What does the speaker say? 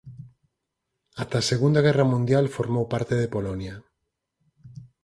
Ata a segunda guerra mundial formou parte de Polonia.